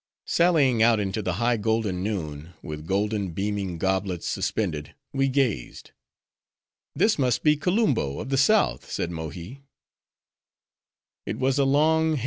Sallying out into the high golden noon, with golden beaming goblets suspended, we gazed. "This must be Kolumbo of the south," said Mohi.